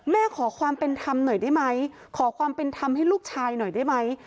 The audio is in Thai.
ขอความเป็นธรรมหน่อยได้ไหมขอความเป็นธรรมให้ลูกชายหน่อยได้ไหม